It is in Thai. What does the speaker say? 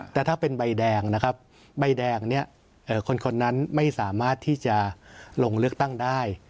แต่ถ้าเป็นใบแดงนะครับใบแดงเนี่ยคนนั้นไม่สามารถที่จะลงเลือกตั้งได้